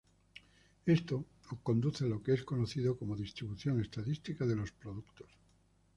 Esto conduce a lo que es conocido como "distribución estadística de los productos".